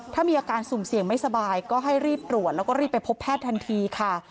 ถ้ามีอาการสุ่มเสี่ยงไม่สบายก็ให้รีบตรวจแล้วก็รีบไปพบแพทย์ทันทีค่ะ